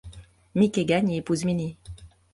Mickey gagne et épouse Minnie.